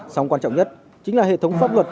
song quan trọng nhất chính là hệ thống pháp luật